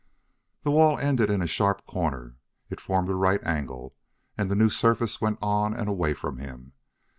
The wall ended in a sharp corner; it formed a right angle, and the new surface went on and away from him.